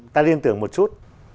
ta liên tưởng một chút